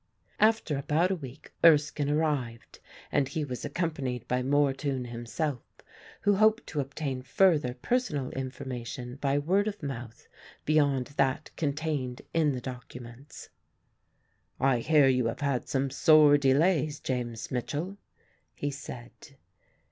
After about a week Erskyne arrived and he was accompanied by Mortoun himself, who hoped to obtain further personal information by word of mouth, beyond that contained in the documents. "I hear you have had some sore delays, James Mitchell," he said.